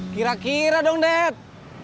kira kira dong dad